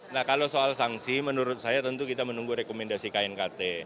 nah kalau soal sanksi menurut saya tentu kita menunggu rekomendasi knkt